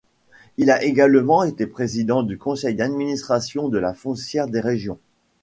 Il a également été président du conseil d’administration de la Foncière des régions.